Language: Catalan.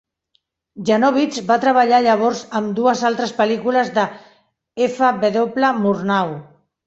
Janowitz va treballar llavors amb dues altres pel·lícules de F. W. Murnau.